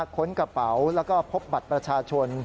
ค้นกระเป๋าแล้วก็พบบัตรประชาชน